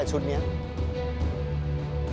เราหยุดเหตุการณ์